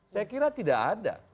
saya kira tidak ada